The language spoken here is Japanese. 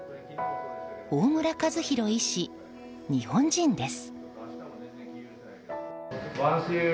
大村和弘医師、日本人です。